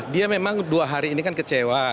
dia memang dua hari ini kan kecewa